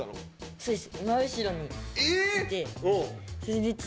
そうです。